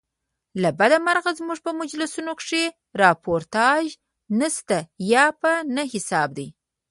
له بده مرغه زموږ په مجلوکښي راپورتاژ نسته یا په نه حساب دئ.